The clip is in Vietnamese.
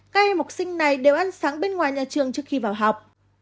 các em học sinh này đều ăn sáng bên ngoài nhà trường trước khi vào học